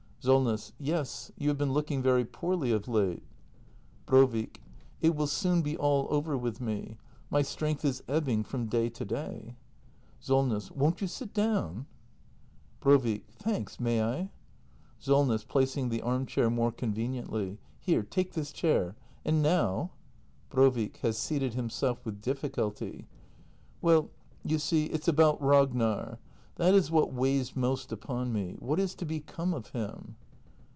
Solness. Yes, you have been looking very poorly of late. Brovik. It will soon be all over with me. My strength is eb bing — from day to day. Solness. Won't you sit down ? 252 THE MASTER BUILDER [act i Brovik. Thanks — may I ? SOLNESS. [Placing the arm chair more conveniently.] Here — take this chair. — And now? Brovik. [Has seated himself with difficulty.] Well, you see, it's about Ragnar. That is what weighs most upon me. What is to become of him